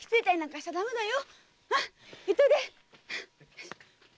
行っといで！